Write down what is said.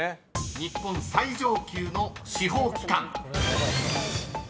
［日本最上級の司法機関］